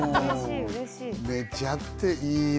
寝ちゃって、いいね。